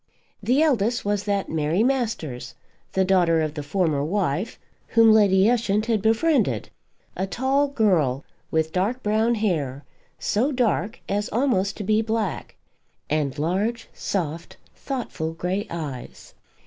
The eldest was that Mary Masters, the daughter of the former wife, whom Lady Ushant had befriended, a tall girl, with dark brown hair, so dark as almost to be black, and large, soft, thoughtful grey eyes.